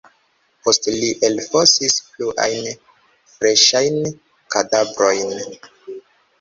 Poste li elfosis pluajn freŝajn kadavrojn.